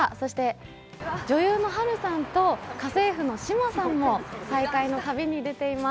女優の波瑠さんと家政婦の志麻さんも再会の旅に出ています。